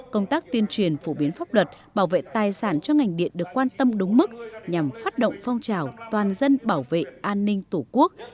công tác tuyên truyền phổ biến pháp luật bảo vệ tài sản cho ngành điện được quan tâm đúng mức nhằm phát động phong trào toàn dân bảo vệ an ninh tổ quốc